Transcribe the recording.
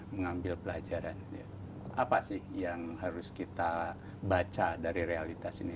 mengambil pelajaran apa sih yang harus kita baca dari realitas ini